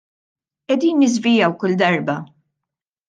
Qegħdin niżvijaw kull darba.